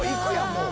もう。